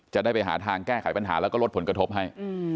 จะได้ไปหาทางแก้ไขปัญหาแล้วก็ลดผลกระทบให้